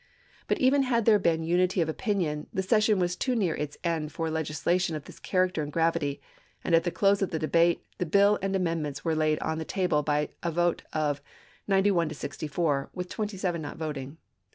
But even had there been unity of opinion, the session was too near its end for legislation of this character and gravity, and at the close of the debate the bill and amendments KECONSTRUCTION 453 were laid on the table by a vote of 91 to 64, with chap. xix. 27 not voting.